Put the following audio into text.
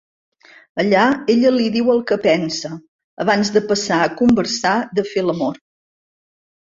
Allà ella li diu el que pensa, abans de passar a conversar de fer l'amor.